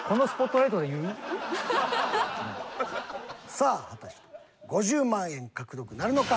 さあ果たして５０万円獲得なるのか？